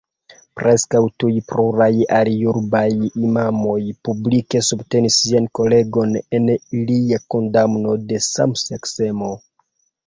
Preskaŭ tuj pluraj aliurbaj imamoj publike subtenis sian kolegon en lia kondamno de samseksemo.